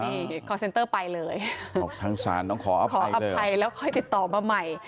นี่คอร์เซ็นเตอร์ไปเลยขออภัยแล้วค่อยติดต่อมาใหม่